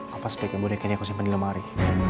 lepas biar kamu dekin aku simpen di lemari